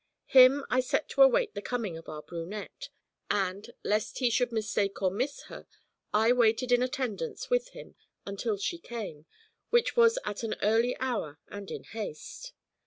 Him I set to await the coming of our brunette; and, lest he should mistake or miss her, I waited in attendance with him until she came, which was at an early hour and in haste.